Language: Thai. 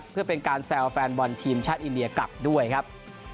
เพื่อเป็นการแซวแฟนบอลทีมชาติอินเดียกลับด้วยครับ